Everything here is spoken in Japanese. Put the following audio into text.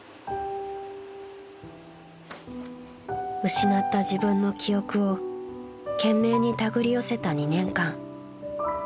［失った自分の記憶を懸命に手繰り寄せた２年間］